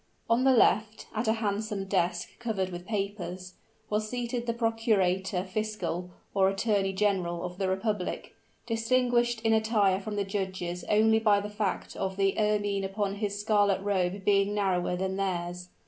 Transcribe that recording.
On the left, at a handsome desk covered with papers, was seated the procurator fiscal or attorney general of the republic, distinguished in attire from the judges only by the fact of the ermine upon his scarlet robe being narrower than theirs.